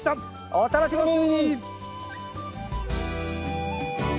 お楽しみに！